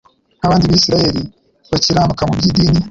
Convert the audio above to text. Nk'abandi BIsiraheli bakiranuka mu by'idini,